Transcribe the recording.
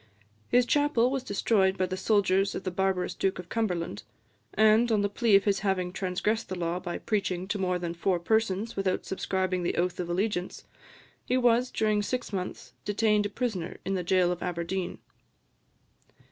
His chapel was destroyed by the soldiers of the barbarous Duke of Cumberland; and, on the plea of his having transgressed the law by preaching to more than four persons without subscribing the oath of allegiance, he was, during six months, detained a prisoner in the jail of Aberdeen.